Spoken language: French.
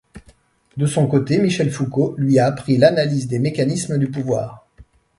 De son côté, Michel Foucault lui a appris l'analyse des mécanismes du pouvoir.